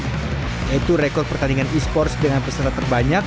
yaitu rekor pertandingan esports dengan peserta terbanyak